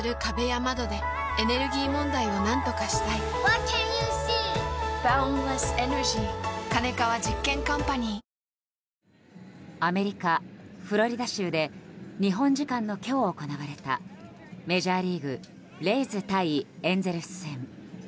安全運転でいってらっしゃいアメリカ・フロリダ州で日本時間の今日行われたメジャーリーグレイズ対エンゼルス戦。